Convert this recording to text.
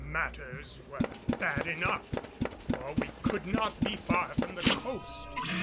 Matters were bad enough, for we could not be far from the coast.